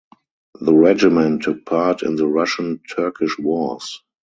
The regiment took part in the Russian–Turkish Wars.